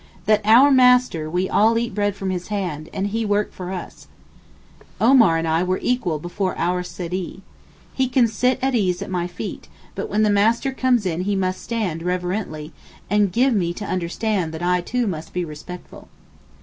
'That our Master, we all eat bread from his hand, and he work for us.' Omar and I were equal before our Seedee. He can sit at his ease at my feet, but when the Master comes in he must stand reverently, and gave me to understand that I too must be respectful.